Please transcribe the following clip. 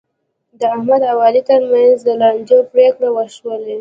د احمد او علي ترمنځ د لانجو پرېکړې وشولې.